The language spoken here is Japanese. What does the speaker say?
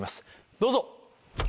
どうぞ！